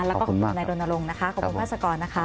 แล้วก็ใครในดนตรงนะคะขอบคุณพาสกรนะคะ